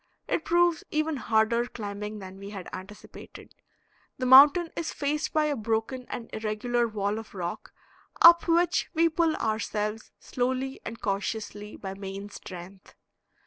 It proves even harder climbing than we had anticipated; the mountain is faced by a broken and irregular wall of rock, up which we pull ourselves slowly and cautiously by main strength.